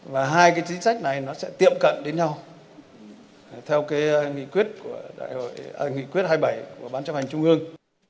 và hai cái chính sách này nó sẽ tiệm cận đến nhau theo cái nghị quyết hai mươi bảy của bán chấp hành trung ương